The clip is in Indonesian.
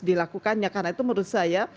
dilakukannya karena itu menurut saya